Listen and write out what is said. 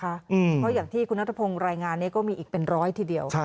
เพราะอย่างที่คุณนัทพงศ์รายงานนี้ก็มีอีกเป็นร้อยทีเดียว